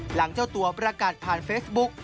หลังเจ้าตัวประกันผ่านเฟซบุ๊ก